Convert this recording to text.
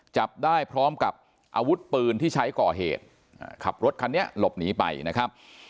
จับได้พร้อมกับอาวุธปืนที่ใช้ก่อเหตุขับรถคันนี้หลบหนีไปนะครับ